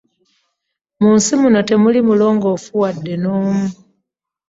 Mu nsi muno temuli mulongoofu wadde omu.